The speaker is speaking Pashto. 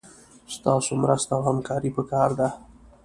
ستاسي مرسته او همکاري پکار ده